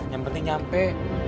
yang penting nyampe